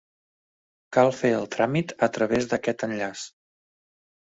Cal fer el tràmit a través d'aquest enllaç.